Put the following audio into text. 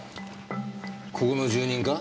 ここの住人か？